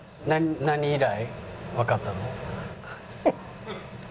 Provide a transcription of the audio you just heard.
何以来わかったの？